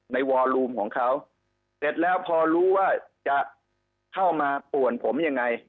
วอลูมของเขาเสร็จแล้วพอรู้ว่าจะเข้ามาป่วนผมยังไง